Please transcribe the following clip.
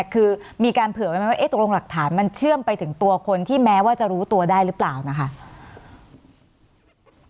คือมีการเผื่อไว้ไหมว่าตกลงหลักฐานมันเชื่อมไปถึงตัวคนที่แม้ว่าจะรู้ตัวได้หรือเปล่านะคะ